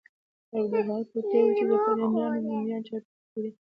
او دا هغه کوټې وې چې د فرعونیانو مومیایي چارې پکې کېدې.